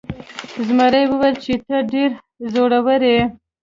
زمري وویل چې ته ډیر زړور یې.